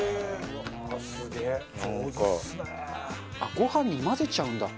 ご飯に混ぜちゃうんだ。